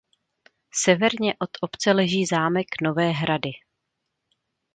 Severně od obce leží zámek Nové Hrady.